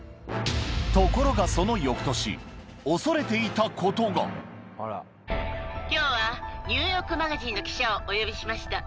ところがそのよくきょうはニューヨーク・マガジンの記者をお呼びしました。